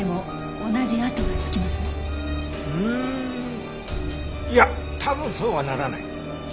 うーんいや多分そうはならない。